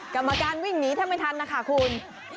กรรมการวิ่งหนีแทบไม่ทันนะคะคุณ